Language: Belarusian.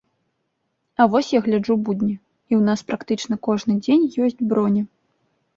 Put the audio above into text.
А вось я гляджу будні, і ў нас практычна кожны дзень ёсць броні.